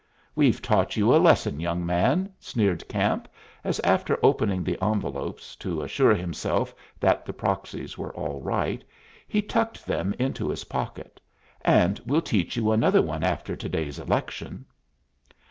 "We've taught you a lesson, young man," sneered Camp, as after opening the envelopes, to assure himself that the proxies were all right, he tucked them into his pocket. "And we'll teach you another one after to day's election."